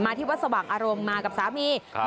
ที่วัดสว่างอารมณ์มากับสามี